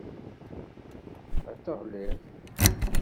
Ad teɣliḍ.